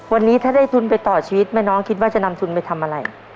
วันนี้ถ้าได้ทุนไปต่อชีวิตแม่น้องคิดว่าจะนำทุนไปทำอะไร